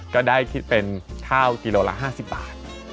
ก็ได้คิดเป็นข้าวกิโลละ๕๐บาท